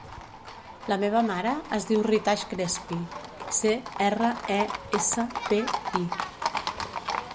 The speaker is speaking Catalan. La meva mare es diu Ritaj Crespi: ce, erra, e, essa, pe, i.